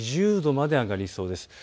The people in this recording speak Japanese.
２０度まで上がりそうです。